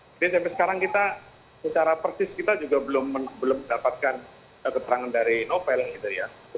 jadi sampai sekarang kita secara persis kita juga belum mendapatkan keterangan dari novel gitu ya